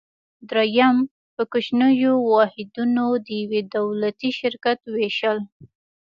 دریم: په کوچنیو واحدونو د یو دولتي شرکت ویشل.